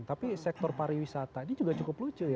tapi sektor pariwisata ini juga cukup lucu ya